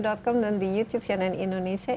com dan di youtube cnn indonesia